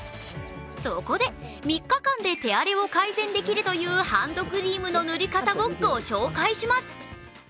そこで、３日間で手荒れを改善できるというハンドクリームの塗り方をご紹介します。